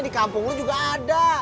di kampung lo juga ada